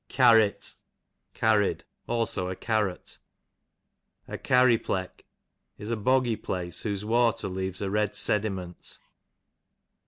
Carrit, carried; also a carrot. A Carry pleck, is a boggy place whose water leaves a red sedi ment.